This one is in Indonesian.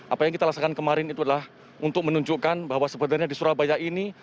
apa yang kita laksakan kemarin itu adalah untuk menunjukkan bahwa sebenarnya di surabaya ini